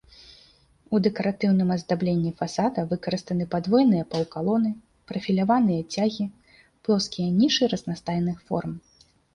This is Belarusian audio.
У дэкаратыўным аздабленні фасада выкарыстаны падвойныя паўкалоны, прафіляваныя цягі, плоскія нішы разнастайных форм.